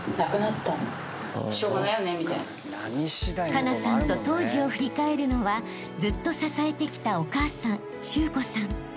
［佳那さんと当時を振り返るのはずっと支えてきたお母さん周子さん］